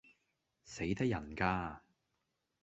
死得人架